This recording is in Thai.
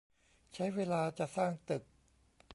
ใช้เวลาจะสร้างตึก